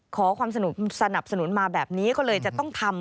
ขอความสนับสนุนมาแบบนี้ก็เลยจะต้องทำ